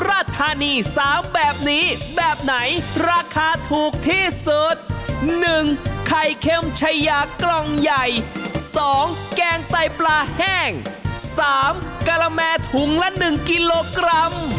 ราธานี๓แบบนี้แบบไหนราคาถูกที่สุด๑ไข่เค็มชายากล่องใหญ่๒แกงไตปลาแห้ง๓กะละแมถุงละ๑กิโลกรัม